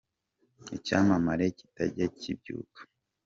Icyamamare kitajya kibyuka.